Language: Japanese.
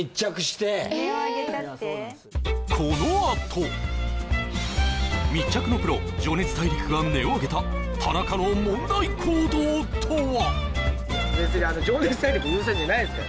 このあと密着のプロ「情熱大陸」が音を上げた田中の問題行動とは？